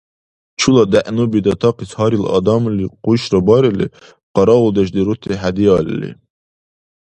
Чула дегӀнуби датахъес гьарил адамли къушра барили, къараулдеш дирути хӀедиалли.